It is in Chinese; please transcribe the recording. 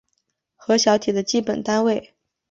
核小体的基本单位。